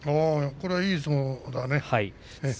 これはいい相撲だね。